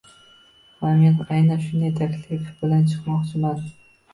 Ha men aynan shunday taklif bilan chiqmoqchiman.